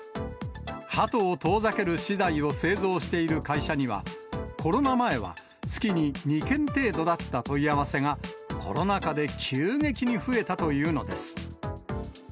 ハトを遠ざける資材を製造している会社には、コロナ前は月に２件程度だった問い合わせが、コロナ禍で急激に増えたというのです。